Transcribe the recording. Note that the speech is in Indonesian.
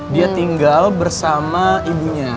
dia tinggal bersama ibunya